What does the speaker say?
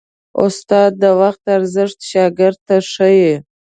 استاد د وخت ارزښت شاګرد ته ښيي.